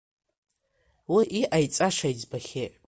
Уи иҟаиҵаша иӡбахьеит.